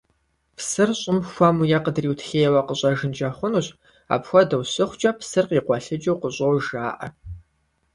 Псыр щӀым хуэму е къыдриутхейуэ къыщӀэжынкӀэ хъунущ, апхуэдэу щыхъукӀэ «Псыр къикъуэлъыкӀыу къыщӀож» жаӀэ.